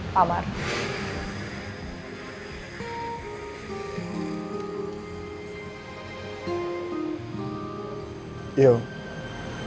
dan tertinggal di sini